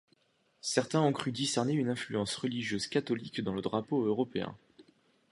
Certains ont cru discerner une influence religieuse catholique dans le drapeau européen.